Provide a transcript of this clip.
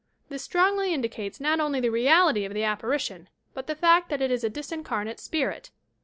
This strongly indicates not only the reality of the appari tion, hut the fact that it is a discarnate spirit.